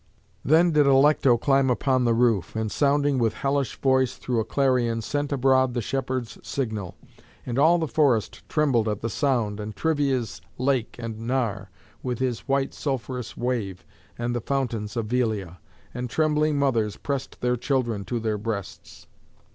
Then did Alecto climb upon the roof, and, sounding with hellish voice through a clarion, sent abroad the shepherds' signal. And all the forest trembled at the sound, and Trivia's lake and Nar, with his white sulphurous wave, and the fountains of Velia; and trembling mothers pressed their children to their breasts.